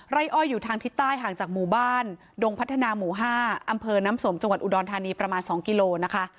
้อ้อยอยู่ทางทิศใต้ห่างจากหมู่บ้านดงพัฒนาหมู่๕อำเภอน้ำสมจังหวัดอุดรธานีประมาณ๒กิโลนะคะ